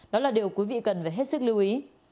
đó là điều quý vị cần phải hết sức lưu ý